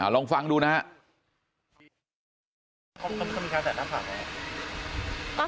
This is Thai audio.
ลองฟังดูนะครับ